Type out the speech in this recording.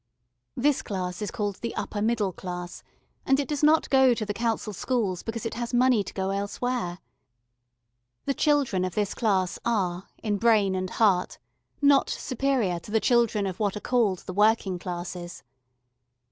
This class is called the upper middle class, and it does not go to the Council Schools because it has money to go elsewhere. The children of this class are, in brain and heart, not superior to the children of what are called the working classes.